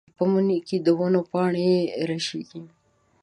په مني کې د ونو پاڼې رژېږي.